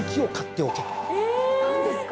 何ですか？